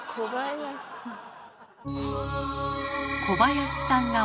小林さん？